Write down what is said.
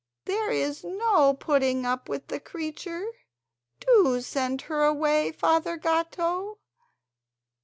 There is no putting up with the creature—do send her away, Father Gatto!